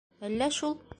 Әллә шул...